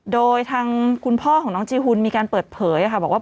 โดยทางคุณพ่อของน้องจีหุ่นมีการเปิดเผยค่ะบอกว่า